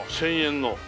１０００円の。